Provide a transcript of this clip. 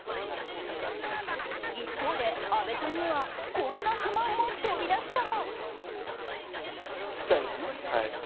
一方で、阿部さんにはこんな不満も飛び出した。